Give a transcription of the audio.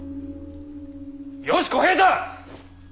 よし小平太！